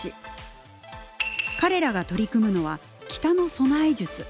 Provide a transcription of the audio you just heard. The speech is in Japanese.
彼らが取り組むのは北のそなえ術。